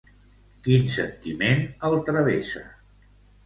Quin sentiment el travessa?